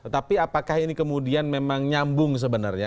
tapi apakah ini kemudian memang nyambung sebenarnya